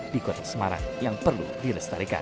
di kota semarang yang perlu dilestarikan